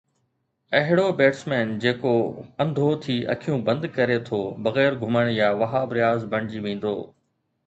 اهڙو بيٽسمين جيڪو انڌو ٿي اکيون بند ڪري ٿو بغير گھمڻ يا وهاب رياض بڻجي ويندو.